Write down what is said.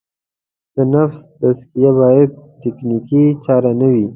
د نفس تزکیه باید تکتیکي چاره نه وي.